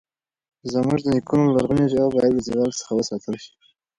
زموږ د نیکونو لرغونې ژبه باید له زوال څخه وساتل شي.